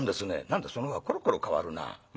「何だそのほうはコロコロ変わるなあ。